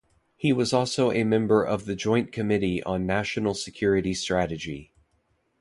He was also a member of the Joint Committee on National Security Strategy.